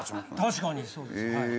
確かにそうですねはい。